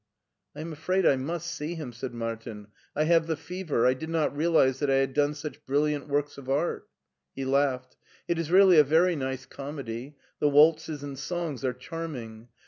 "I am afraid I must see him," said Martin; " I have the fever. I did not realize that I had done such brilliant works of art." He laughed. " It is really a very nice comedy ; the waltzes and songs are charm ing.